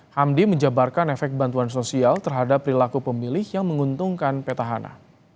hamdi menjabarkan efek bantuan sosial terhadap perilaku pemilih yang menguntungkan petahana